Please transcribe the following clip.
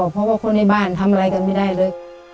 เพราะว่าคนในบ้านทำอะไรกันไม่ได้เลย